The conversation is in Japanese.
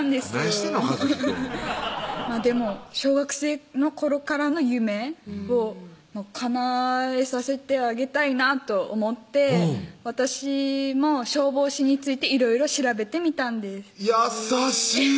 何してんの一紀くんでも小学生の頃からの夢をかなえさせてあげたいなと思って私も消防士についていろいろ調べてみたんです優しい！